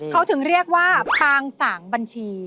เขาถึงเรียกว่าปางสางบัญชี